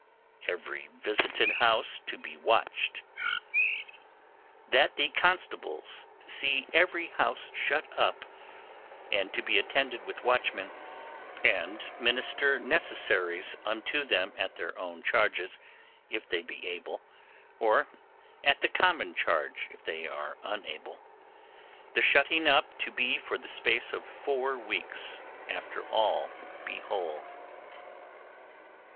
Every visited House to be watched. 'That the constables see every house shut up, and to be attended with watchmen, which may keep them in, and minister necessaries unto them at their own charges, if they be able, or at the common charge, if they are unable; the shutting up to be for the space of four weeks after all be whole.